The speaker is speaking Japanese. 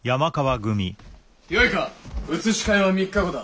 よいか移し替えは３日後だ。